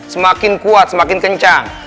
semakin kuat semakin kencang